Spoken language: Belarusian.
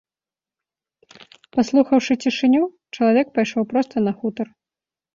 Паслухаўшы цішыню, чалавек пайшоў проста на хутар.